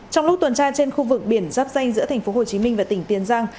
trong lúc tuần tra trên khu vực biển giáp danh giữa tp hcm và tỉnh tiền giang